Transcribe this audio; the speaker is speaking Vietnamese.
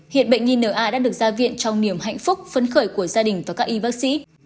hiện bệnh nhi na đã được ra viện trong niềm hạnh phúc phấn khởi của gia đình và các y bác sĩ